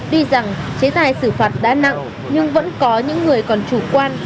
tuy rằng chế tài xử phạt đã nặng nhưng vẫn có những người còn chủ quan